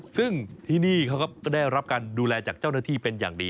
ซึ่งที่นี่เขาก็ได้รับการดูแลจากเจ้าหน้าที่เป็นอย่างดี